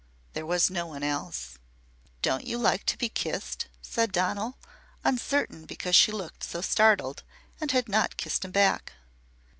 There was no one else. "Don't you like to be kissed?" said Donal, uncertain because she looked so startled and had not kissed him back.